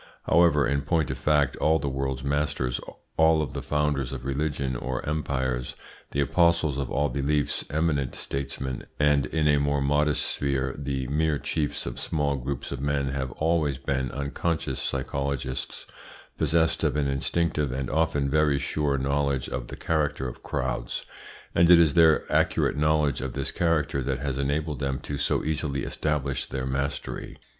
However, in point of fact, all the world's masters, all the founders of religions or empires, the apostles of all beliefs, eminent statesmen, and, in a more modest sphere, the mere chiefs of small groups of men have always been unconscious psychologists, possessed of an instinctive and often very sure knowledge of the character of crowds, and it is their accurate knowledge of this character that has enabled them to so easily establish their mastery.